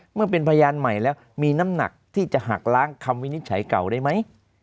เมื่อเป็นพยานใหม่แล้วมีน้ำหนักที่จะหักล้างคำวินิจฉัยเก่าได้ไหม